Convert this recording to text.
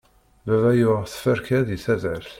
Baba yuɣ teferka di taddart.